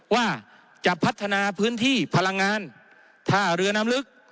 ว่าจะพัฒนาพื้นที่พลังงานท่าเรือน้ำลึก